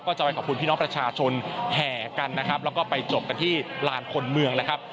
จะไปขอบคุณพี่น้องประชาชนแห่กันนะครับแล้วก็ไปจบกันที่ลานคนเมืองนะครับ